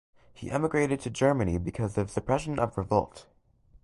He emigrated to Germany because of suppression of revolt.